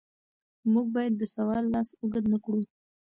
موږ باید د سوال لاس اوږد نکړو.